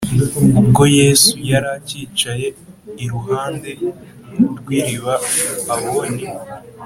Ubwo Yesu yari acyicaye iruhande rw’iriba, abon